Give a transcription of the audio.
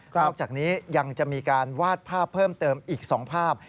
อกจากนี้ยังจะมีการวาดภาพเพิ่มเติมอีก๒ภาพ